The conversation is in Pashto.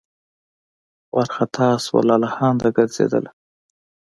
وارخطا سوه لالهانده ګرځېدله